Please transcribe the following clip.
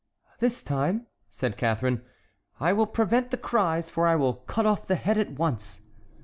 "This time," said Catharine, "I will prevent the cries, for I will cut off the head at once."